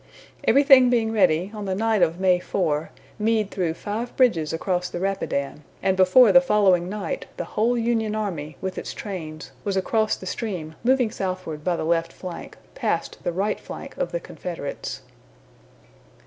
Everything being ready, on the night of May 4, Meade threw five bridges across the Rapidan, and before the following night the whole Union army, with its trains, was across the stream moving southward by the left flank, past the right flank of the Confederates.